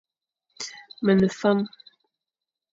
Me ne fame.